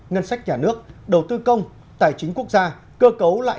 ngân sách nhà nước đầu tư công tài chính quốc gia cơ cấu lại